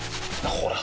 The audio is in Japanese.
ほら！